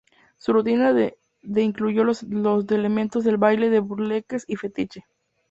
Su rutina de incluyó los elementos del baile de burlesque y fetiche.